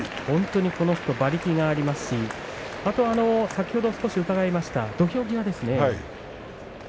この人は馬力がありますし先ほど少し伺いました土俵際ですね。